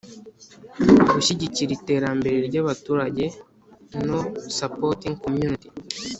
Gushyigikira iterambere ry abaturage no Supporting community